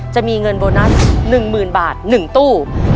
จะมีเงินโบนัส๑๐๐๐บาท๑ตู้